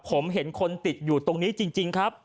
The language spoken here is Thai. ผมเห็นคนติดอยู่ตรงนี้จริงครับ